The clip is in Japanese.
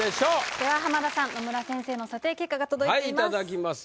では浜田さん野村先生の査定結果が届いてます。